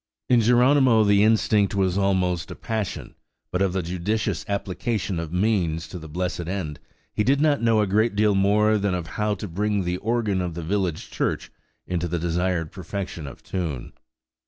In Geronimo the instinct was almost a passion; but of the judicious application of means to the blessed end, he did not know a great deal more than of how to bring the organ of the village church into the desired perfection of tune.